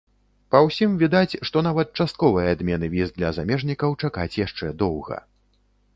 Па ўсім відаць, што нават частковай адмены віз для замежнікаў чакаць яшчэ доўга.